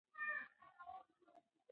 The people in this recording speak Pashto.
سم معلومات سمې پرېکړې جوړوي.